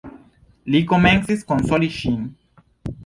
Mi komencis konsoli ŝin.